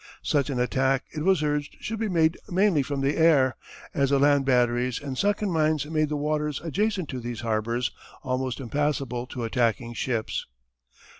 Such an attack it was urged should be made mainly from the air, as the land batteries and sunken mines made the waters adjacent to these harbours almost impassable to attacking ships.